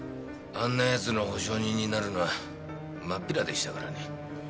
あんな奴の保証人になるのはまっぴらでしたからね。